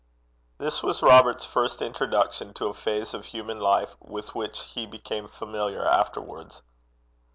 This was Robert's first introduction to a phase of human life with which he became familiar afterwards.